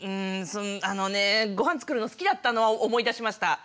あのねごはん作るの好きだったのは思い出しました。